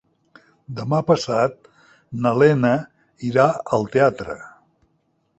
Demà passat na Lena irà al teatre.